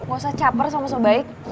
gak usah caper sama sobaik